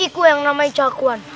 itu yang namanya jaguan